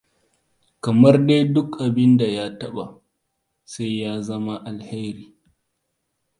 Kamar dai duk abinda ya taɓa sai ya zama alkhairi.